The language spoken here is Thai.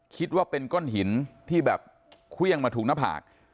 คิดว่าเป็นก้อนหินที่แบบเครื่องมาถูกหน้าผาก